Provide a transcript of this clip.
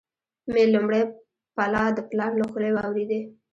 مي لومړی پلا د پلار له خولې واروېدې،